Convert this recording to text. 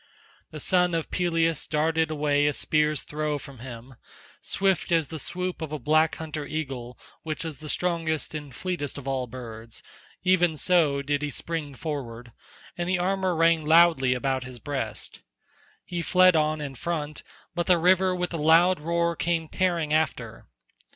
The son of Peleus darted away a spear's throw from him; swift as the swoop of a black hunter eagle which is the strongest and fleetest of all birds, even so did he spring forward, and the armour rang loudly about his breast. He fled on in front, but the river with a loud roar came tearing after.